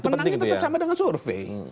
menangnya tetap sama dengan survei